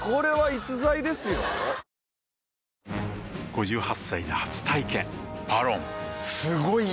５８歳で初体験「ＶＡＲＯＮ」すごい良い！